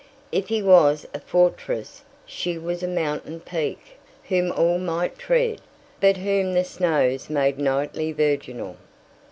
If he was a fortress she was a mountain peak, whom all might tread, but whom the snows made nightly virginal.